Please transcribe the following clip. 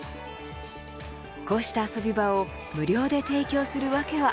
こうした遊び場を無料で提供する訳は。